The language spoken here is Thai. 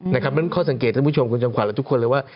เพราะฉะนั้นข้อสังเกตท่านผู้ชมคุณจำขวัญและทุกคนเลยว่า